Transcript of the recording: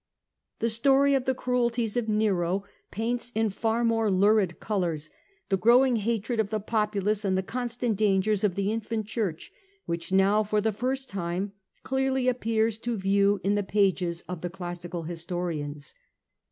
The story of the cruelties of Nero paints in far more lurid colours the growing hatred of the populace and the con stant dangers of the infant church, which now, But in the for the first time, clearly appears to view in the pages of the classical historians.